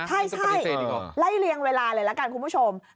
ใช่ไล่เรียงเวลาเลยละกันคุณผู้ชม